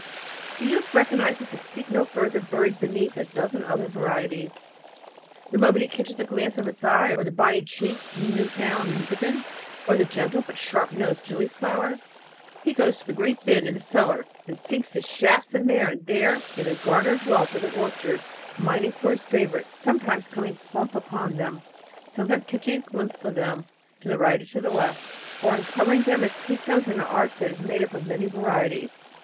The youth recognizes the seek no further buried beneath a dozen other varieties, the moment he catches a glance of its eye, or the bonny cheeked Newtown pippin, or the gentle but sharp nosed gilliflower. He goes to the great bin in the cellar and sinks his shafts here and there in the garnered wealth of the orchards, mining for his favorites, sometimes coming plump upon them, sometimes catching a glimpse of them to the right or left, or uncovering them as keystones in an arch made up of many varieties.